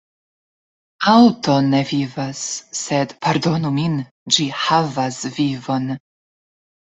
Aŭto ne vivas sed – pardonu min – ĝi havas vivon.